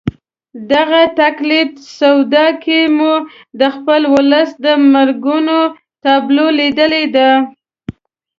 دغه تقلیدي سودا کې مې د خپل ولس د مرګونو تابلو لیدلې ده.